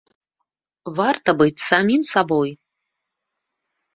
Варта быць самім сабой!